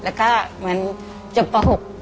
แล้วก็มันจบป่อ๖